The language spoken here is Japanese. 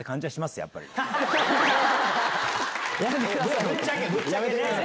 やめてください。